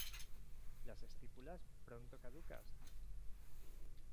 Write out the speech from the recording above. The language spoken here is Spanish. Las estípulas pronto caducas.